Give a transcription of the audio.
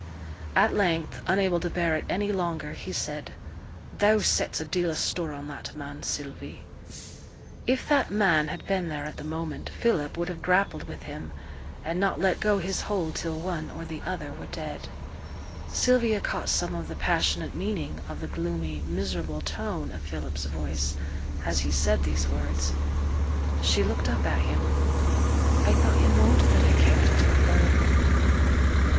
At length, unable to bear it any longer, he said, 'Thou sets a deal o' store on that man, Sylvie.' If 'that man' had been there at the moment, Philip would have grappled with him, and not let go his hold till one or the other were dead. Sylvia caught some of the passionate meaning of the gloomy, miserable tone of Philip's voice as he said these words. She looked up at him. 'I thought yo' knowed that I cared a deal for him.'